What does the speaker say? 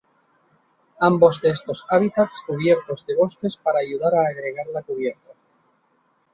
Ambos de estos hábitats cubiertos de bosques para ayudar a agregar la cubierta.